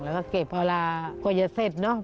แล้วก็เก็บเวลากว่าไม่เกิดเสร็จ